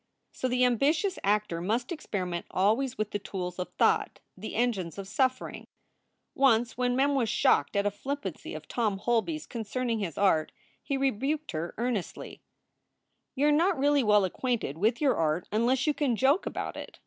So the ambitious actor must experiment always with the tools of thought, the engines of suffering. Once when Mem was shocked at a flippancy of Tom Holby s concerning his art, he rebuked her earnestly: "You re not really well acquainted with your art unless you can joke about it.